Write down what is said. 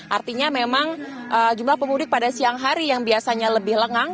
artinya memang jumlah pemudik pada siang hari yang biasanya lebih lengang